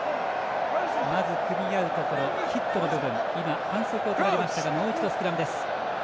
まず組み合うところヒットの部分反則をとられましたがもう一度、スクラムです。